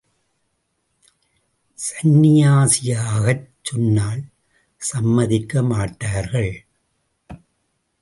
சன்னியாசியாகச் சொன்னால் சம்மதிக்கமாட்டார்கள்.